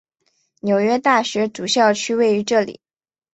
纽约大学主校区位于这里。